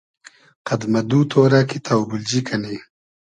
قئد مۂ دو تۉرۂ کی تۆبیلجی کئنی